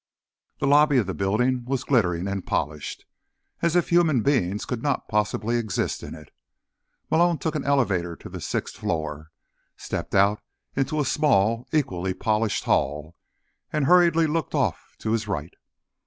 The lobby of the building was glittering and polished, as if human beings could not possibly exist in it. Malone took an elevator to the sixth floor, stepped out into a small, equally polished hall, and hurriedly looked off to his right.